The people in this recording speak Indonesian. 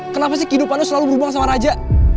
kenapa sih kehidupan lu selalu berhubung sama raja